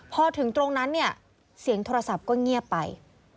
พอถึงตรงนั้นเนี่ยเสียงโทรศัพท์ก็เงียบไป